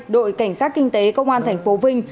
đội cảnh sát kinh tế công an tp vinh